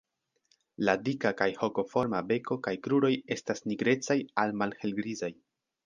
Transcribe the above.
La dika kaj hokoforma beko kaj kruroj estas nigrecaj al malhelgrizaj.